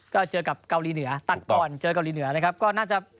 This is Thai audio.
ก็เจอกับเกาหลีเหนือตัดก่อนเจอเกาหลีเหนือนะครับก็น่าจะ